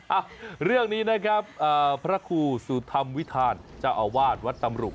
อ่ะเรื่องนี้นะครับพระครูสุธรรมวิทานเจ้าอาวาสวัดตำรุ